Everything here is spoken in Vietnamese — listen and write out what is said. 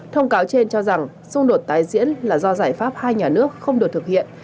thông cáo trên cho rằng xung đột tái diễn là do giải pháp hai nhà nước không được thực hiện